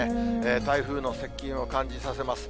台風の接近を感じさせます。